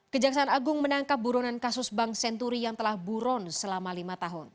kejaksaan agung menangkap buronan kasus bank senturi yang telah buron selama lima tahun